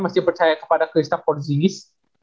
masih percaya kepada christoph porzingis